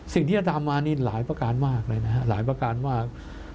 สิ่งที่จะทำมานี่หลายประการมากเลยนะฮะหลายประการว่า